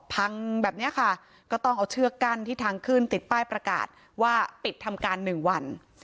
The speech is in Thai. พังแบบนี้ค่ะก็ต้องเอาเชือกกั้นที่ทางขึ้นติดป้ายประกาศว่าปิดทำการหนึ่งวัน